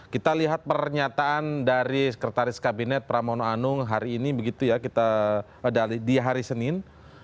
kita lihat pernyataan dari sekretaris kabinet pramono anung hari ini begitu ya di hari senin